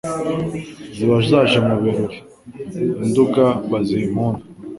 Ziba zaje mu birori,I Nduga baziha impundu